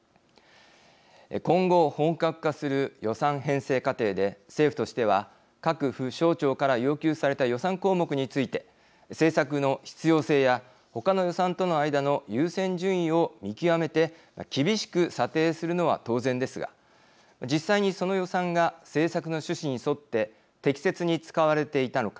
今後本格化する予算編成過程で政府としては各府省庁から要求された予算項目について政策の必要性やほかの予算との間の優先順位を見極めて厳しく査定するのは当然ですが実際にその予算が政策の趣旨に沿って適切に使われていたのか